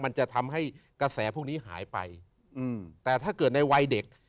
มันจะทำให้กระแสพวกนี้หายไปอืมแต่ถ้าเกิดในวัยเด็ก